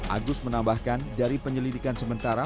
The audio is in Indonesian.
agus menambahkan dari penyelidikan sementara